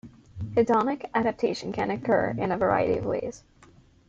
Hedonic adaptation can occur in a variety of ways.